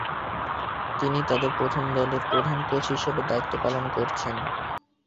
তিনি তাদের প্রথম দলের প্রধান কোচ হিসেবে দায়িত্ব পালন করেছেন।